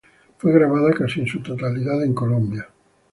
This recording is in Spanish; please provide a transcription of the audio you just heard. Fue grabada casi en su totalidad en Colombia.